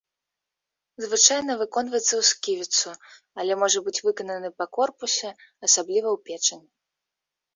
Звычайна выконваецца ў сківіцу, але можа быць выкананы па корпусе, асабліва ў печань.